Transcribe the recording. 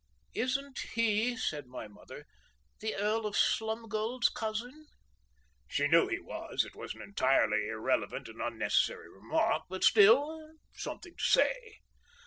"Isn't he," said my mother, "the Earl of Slumgold's cousin?" She knew he was; it was an entirely irrelevant and unnecessary remark, but still, something to say.